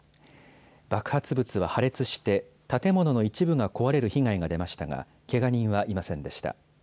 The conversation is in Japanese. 爆発物は破裂して、建物の一部が壊れる被害が出ましたが、けが人はいませんでした。